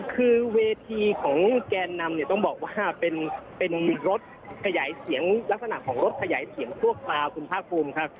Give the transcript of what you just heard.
คือเวทีของแกนนำเนี่ยต้องบอกว่าเป็นรถขยายเสียงลักษณะของรถขยายเสียงชั่วคราวคุณภาคภูมิครับ